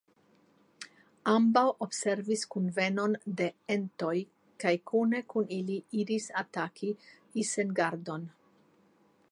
Ambaŭ observis kunvenon de entoj kaj kune kun ili iris ataki Isengardon.